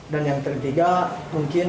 dan yang ketiga mungkin